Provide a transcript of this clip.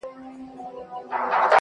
چي سره ورسي مخ په مخ او ټينگه غېږه وركړي